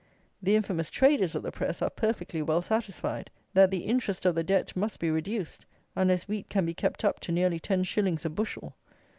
The infamous traders of the press are perfectly well satisfied, that the interest of the Debt must be reduced, unless wheat can be kept up to nearly ten shillings a bushel.